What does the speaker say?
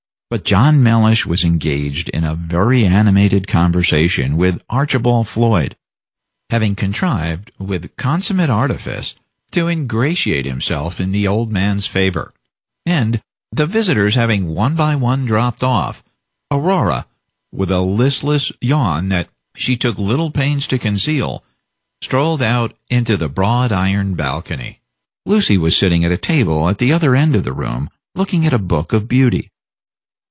But John Mellish was engaged in a very animated conversation Page 29 with Archibald Floyd, having contrived, with consummate artifice, to ingratiate himself in the old man's favor, and, the visitors having one by one dropped off, Aurora, with a listless yawn that she took little pains to conceal, strolled out into the broad iron balcony. Lucy was sitting at a table at the other end of the room, looking at a book of beauty.